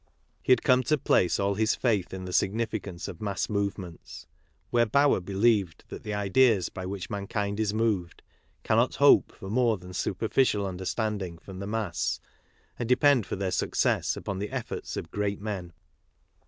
He had come to place all his faith in the significance of mass movements, where Bauer believed KARL MARX n that the ideas by which mankind is moved cannot hope for mdrethan superKcial understangi ngTrom the mass a nd" depend for the i r success upon t he^ettojJalfit . great ^^ men.